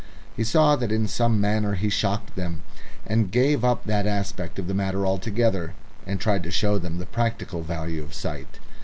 He saw that in some manner he shocked them, and gave up that aspect of the matter altogether, and tried to show them the practical value of sight.